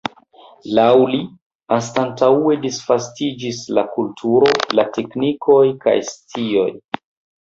Laŭ li, anstataŭe disvastiĝis la kulturo, la teknikoj kaj scioj.